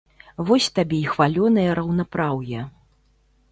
Вось табе і хвалёнае раўнапраўе.